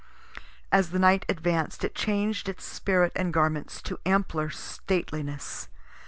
As the night advanc'd it changed its spirit and garments to ampler stateliness.